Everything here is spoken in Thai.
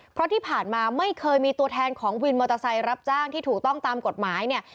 เพราะที่ผ่านมาไม่เคยมีตัวแทนของวินมอเตอร์ไซค์รับจ้างที่ถูกต้องตามกฎหมายเนี่ย